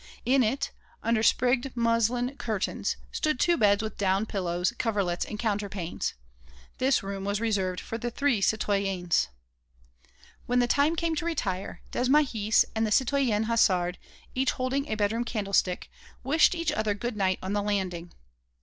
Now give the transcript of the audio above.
In it, under sprigged muslin curtains, stood two beds with down pillows, coverlets and counterpanes. This room was reserved for the three citoyennes. When the time came to retire, Desmahis and the citoyenne Hasard, each holding a bedroom candlestick, wished each other good night on the landing.